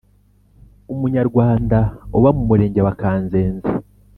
Umunyarwanda uba mu Murenge wa Kanzenze